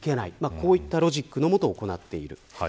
こういったロジックのもと行っている。